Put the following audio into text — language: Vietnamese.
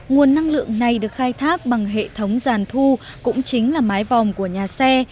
nguồn năng lượng này được khai thác bằng hệ thống giàn thu cũng chính là mái vòm của nhà xe